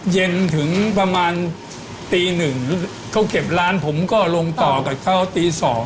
เย็นถึงประมาณตีหนึ่งเขาเก็บร้านผมก็ลงต่อกับเขาตี๒